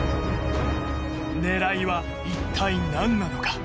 狙いは一体何なのか？